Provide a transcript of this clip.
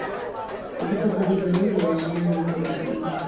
ځکه په دې باور لري چې لاندې نه غورځېږي.